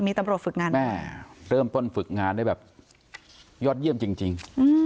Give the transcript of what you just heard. มีตำรวจฝึกงานแม่เริ่มต้นฝึกงานได้แบบยอดเยี่ยมจริง